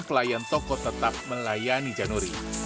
pelayan toko tetap melayani jan nuri